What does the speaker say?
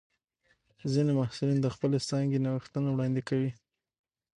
ځینې محصلین د خپلې څانګې نوښتونه وړاندې کوي.